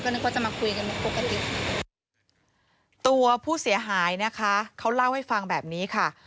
นึกว่าจะมาคุยกันปกติตัวผู้เสียหายนะคะเขาเล่าให้ฟังแบบนี้ค่ะ